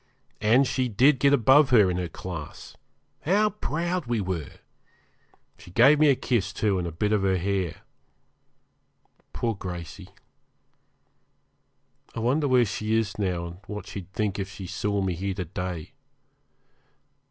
And she did get above her in her class. How proud we were! She gave me a kiss, too, and a bit of her hair. Poor Gracey! I wonder where she is now, and what she'd think if she saw me here to day.